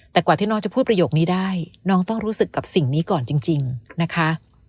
แต่กว่าที่น้องจะพูดประโยคนี้ได้น้องต้องรู้สึกกับสิ่งนี้ก่อนจริงนะคะ